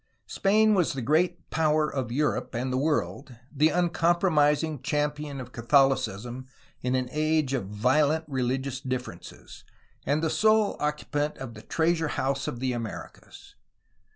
Spain was the great power of Europe and the world, the uncompromising champion of Catholicism in an age of violent religious differences, and the sole occupant of the treasure house of the Americas.